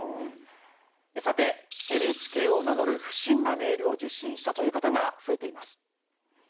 さて、ＮＨＫを名乗る不審なメールを受信したという方が増えています。